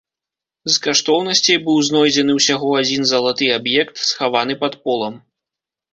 З каштоўнасцей быў знойдзены ўсяго адзін залаты аб'ект, схаваны пад полам.